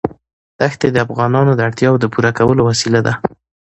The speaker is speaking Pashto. ښتې د افغانانو د اړتیاوو د پوره کولو وسیله ده.